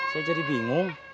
saya jadi bingung